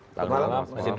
selamat malam mas indra